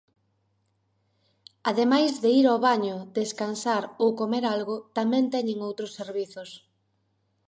Ademais de ir ao baño, descansar ou comer algo tamén teñen outros servizos.